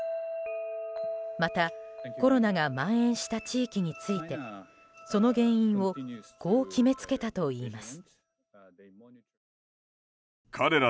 またコロナがまん延した地域についてその原因をこう決めつけたといいます。